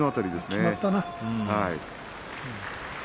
決まったな。